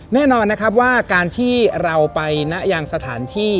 แน่นอนนะครับว่าการที่เราไปนะยังสถานที่